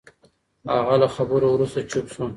هغه له خبرو وروسته چوپ شو.